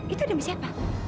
itu demi siapa